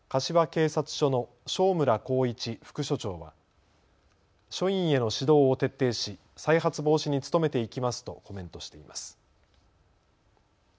柏警察署の庄村浩一副署長は署員への指導を徹底し再発防止に努めていきますとコメントしています。